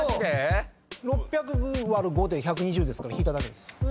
６００÷５で１２０ですから引いただけです。